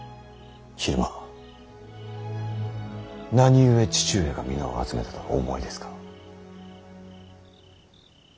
昼間何故父上が皆を集めたとお思いですか。